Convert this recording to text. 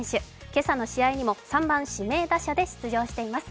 今朝の試合にも３番・指名打者で出場しています。